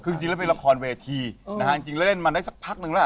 คือจริงแล้วเป็นละครเวทีนะฮะจริงแล้วเล่นมาได้สักพักนึงแล้ว